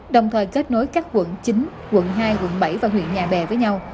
đồng thời kết nối các quận chín quận hai quận bảy và huyện nhà bè với nhau